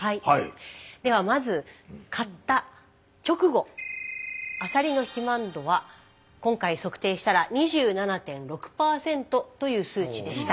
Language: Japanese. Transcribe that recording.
ではまず買った直後アサリの肥満度は今回測定したら２７．６％という数値でした。